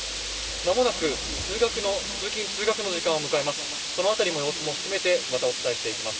間もなく通勤・通学の時間を迎えます。